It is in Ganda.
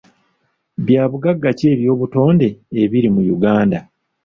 Bya bugagga ki eby'obutonde ebiri mu Uganda?